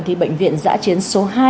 thì bệnh viện giã chiến số hai